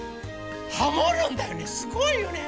ハモるんだよねすごいよね。